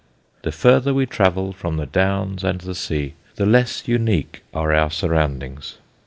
The farther we travel from the Downs and the sea the less unique are our surroundings.